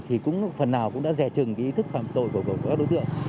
thì cũng phần nào cũng đã dè trừng ý thức phạm tội của các đối tượng